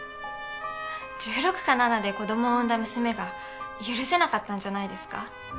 １６か１７で子供産んだ娘が許せなかったんじゃないですか？